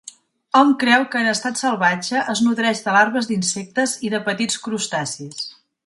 Hom creu que, en estat salvatge, es nodreix de larves d'insectes i de petits crustacis.